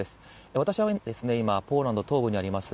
私は今、ポーランド東部にあります